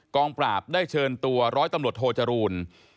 งปราบได้เชิญตัวร้อยตำรวจโทจรูล